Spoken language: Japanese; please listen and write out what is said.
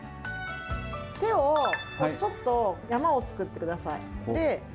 手をちょっと山を作ってください。